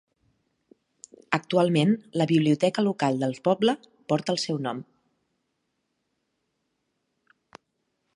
Actualment, la biblioteca local del poble porta el seu nom.